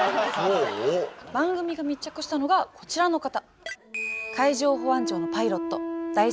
番組が密着したのがこちらの方。